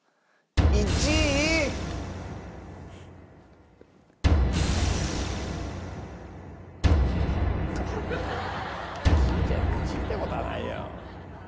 １位って事はないよ。